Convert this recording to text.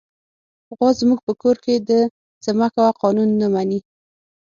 غوا زموږ په کور کې د "څه مه کوه" قانون نه مني.